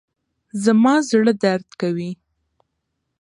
زما زړه درد کوي